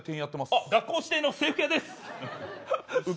学校指定の制服屋です。